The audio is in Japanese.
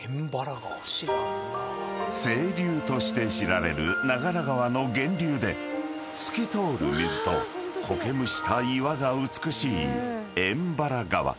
［清流として知られる長良川の源流で透き通る水とこけむした岩が美しい円原川］